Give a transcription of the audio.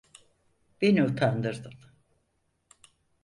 Beni utandırdın.